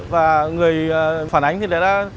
và người phản ánh thì đã